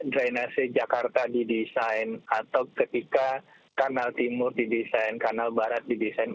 drainase jakarta didesain atau ketika kanal timur didesain kanal barat didesain